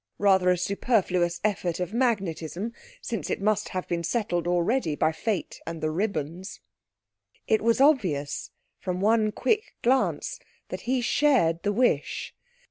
(Rather a superfluous effort of magnetism, since it must have been settled already by fate and the ribbons.) It was obvious from one quick glance that he shared the wish.